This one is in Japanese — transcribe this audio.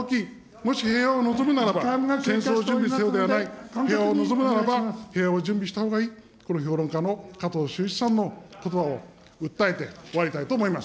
もし平和を望むならば、戦争の準備を、平和を望むならば平和を準備したほうがいい、これ、評論家のかとうしゅういちさんのことばを訴えて終わりたいと思います。